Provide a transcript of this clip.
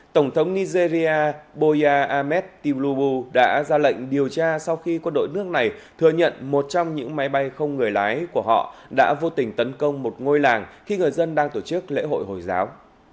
tổng thống nigeria boya ahmed tibloubu đã ra lệnh điều tra sau khi quân đội nước này thừa nhận một trong những máy bay không người lái của họ đã vô tình tấn công một ngôi làng khi người dân đang tổ chức lễ hội hồi giáo